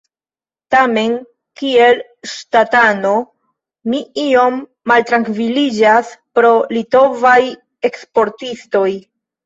Tamen kiel ŝtatano mi iom maltrankviliĝas pro litovaj eksportistoj.